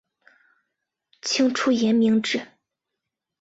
清初沿明制。